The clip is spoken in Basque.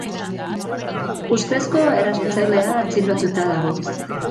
Ustezko erasotzailea atxilotuta dago.